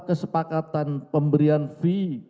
kesepakatan pemberian fee